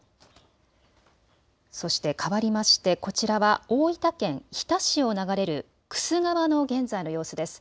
そして変わりまして、こちらは大分県日田市を流れる玖珠川の現在の様子です。